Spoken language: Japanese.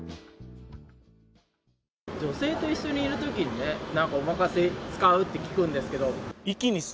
女性と一緒にいるときにね、なんかおまかせ使うって聞くんですけど。